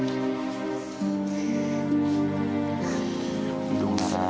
kamu jangan nangis lagi ya